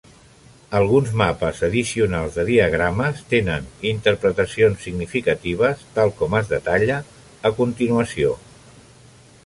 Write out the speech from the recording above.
Alguns mapes addicionals de diagrames tenen interpretacions significatives, tal com es detalla a continuació.